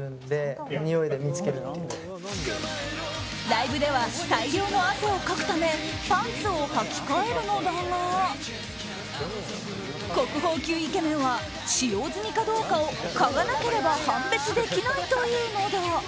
ライブでは大量の汗をかくためパンツをはき替えるのだが国宝級イケメンは使用済みかどうかを嗅がなければ判別できないというのだ。